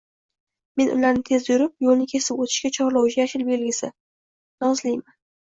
-Men ularni tez yurib, yo’lni kesib o’tishga chorlovchi yashil belgisi — Nozliman.